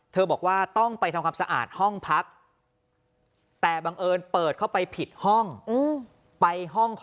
เธอบอกว่าต้องไปทำความสะอาดห้องพัก